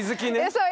そう。